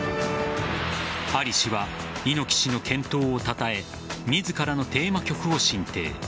アリ氏は猪木氏の健闘をたたえ自らのテーマ曲を進呈。